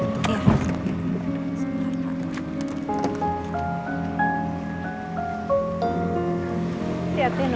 ini tasnya nino